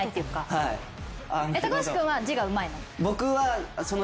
橋君は字がうまいの？